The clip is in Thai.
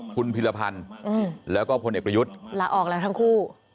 คุณพิรพันธ์แล้วก็พลเอกประยุทธ์ลาออกแล้วทั้งคู่